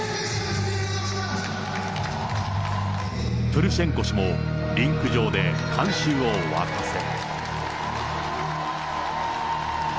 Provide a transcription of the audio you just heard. プルシェンコ氏もリンク上で観衆を沸かせ。